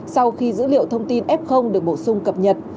sau khi dữ liệu thông tin f được bổ sung cập nhật